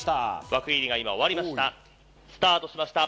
枠入りが今終わりました。